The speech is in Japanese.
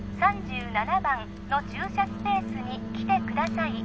Ａ３７番の駐車スペースに来てください